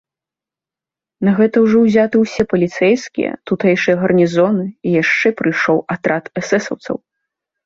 На гэта ўжо ўзяты ўсе паліцэйскія, тутэйшыя гарнізоны, і яшчэ прыйшоў атрад эсэсаўцаў.